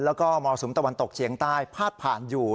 แล้วก็มรสุมตะวันตกเฉียงใต้พาดผ่านอยู่